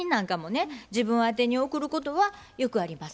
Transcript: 自分宛てに送ることはよくあります。